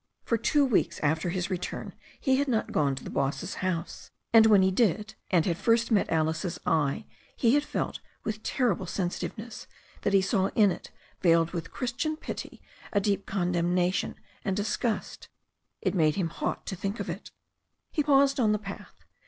For two weeks after his return he had not gone to the boss's house, and when he did, and had first met Alice's eye, he had felt, with terrible sensitiveness, that he saw in it, veiled with Christian pity, a deep condemnation and disgust. It made him hot to think of it. He paused on the path.